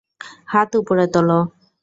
হাত উপরে তুলো!